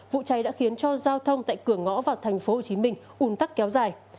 vụ cháy đã khiến cho giao thông tại cửa ngõ vào tp hcm ùn tắc kéo dài